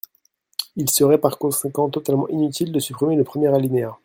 Il serait par conséquent totalement inutile de supprimer le premier alinéa.